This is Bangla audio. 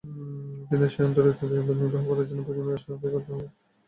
কিন্তু সেই অতিরিক্ত ব্যয়ভার নির্বাহ করার জন্য প্রয়োজনীয় রাজস্ব আদায় করতে হবে।